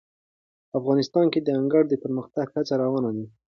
افغانستان کې د انګور د پرمختګ هڅې روانې دي.